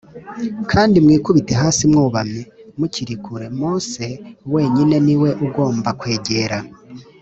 kandi mwikubite hasi mwubamye mukiri kure Mose wenyine ni we ugomba kwegera